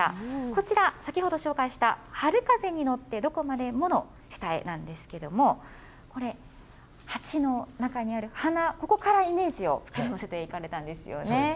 こちら、先ほど紹介した春風に乗ってどこまでもの下絵なんですけれども、これ、鉢の中にある花、ここからイメージを膨らませていかれたんですよね。